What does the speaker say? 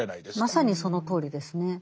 まさにそのとおりですね。